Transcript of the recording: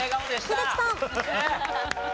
英樹さん。